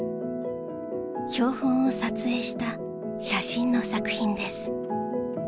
標本を撮影した写真の作品です